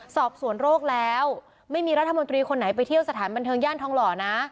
สอบสวนโรคแล้วไม่มีรัฐมนตรีคนไหนไปเที่ยวสถานบันเทิงย่านทองหล่อนะ